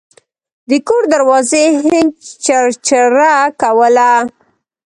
د کور دروازې هینج چرچره کوله.